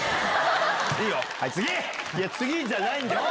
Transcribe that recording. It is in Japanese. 次！じゃないんだよ！